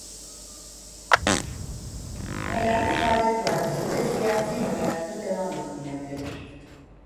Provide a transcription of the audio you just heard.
Halen Saadet Partisi'nde siyasi hayatını devam ettirmektedir.